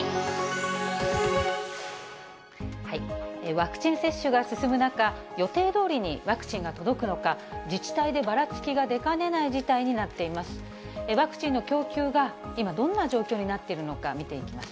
ワクチン接種が進む中、予定どおりにワクチンが届くのか、自治体でばらつきが出かねない事態になっています。